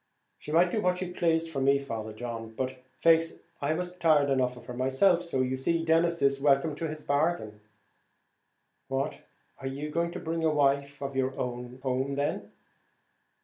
"She might do what she plased for me, Father John. But, faix, I was tired enough of her myself; so, you see, Denis is welcome to his bargain." "What! are you going to bring a wife of your own home then?"